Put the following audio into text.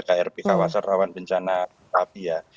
krp kawasan rawan bencana rapi ya